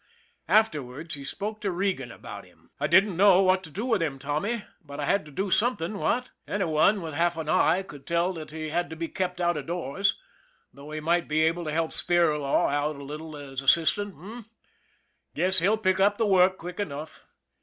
Afterwards, he spoke to Regan about him. " I didn't know what to do with him, Tommy ; but I had to do something, what? Any one with half an 130 ON THE IRON AT BIG CLOUD eye could tell that he had to be kept out of doors. Thought he might be able to help Spirlaw out a little as assistant, h'm ? Guess he'll pick up the work quick enough.